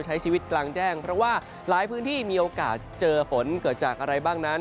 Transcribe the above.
ใช้ชีวิตกลางแจ้งเพราะว่าหลายพื้นที่มีโอกาสเจอฝนเกิดจากอะไรบ้างนั้น